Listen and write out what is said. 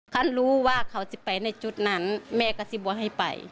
คันรู้ว่าเขาจะไปในจุดนั้นแม่ก็จะบวนให้ไป